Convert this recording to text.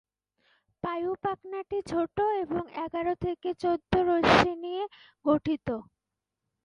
পায়ু-পাখনাটি ছোট এবং এগারো থেকে চৌদ্দ রশ্মি নিয়ে গঠিত।